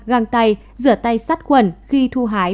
găng tay rửa tay sát quần khi thu hái